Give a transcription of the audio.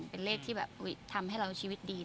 เป็นเลขที่แบบทำให้เราชีวิตดี